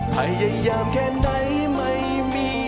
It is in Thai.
ให้ยะยามแค่ไหนไม่มี